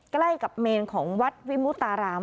ใกล้กับเมนของวัดวิมุตาราม